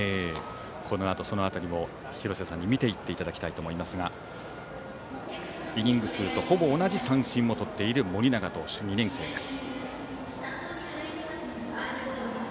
このあとその辺りも廣瀬さんに見ていっていただきたいと思いますがイニング数とほぼ同じ三振数をとっている盛永投手２年生です。